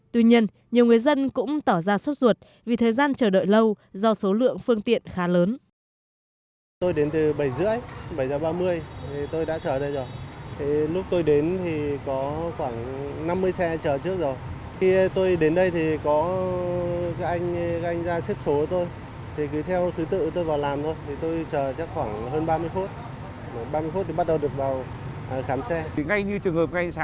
tuy nhiên nhiều người dân cũng tỏ ra suốt ruột vì thời gian chờ đợi lâu do số lượng phương tiện khá lớn